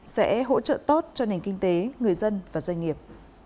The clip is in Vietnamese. sẽ hỗ trợ tốt cho nền kinh tế người dân và doanh nghiệp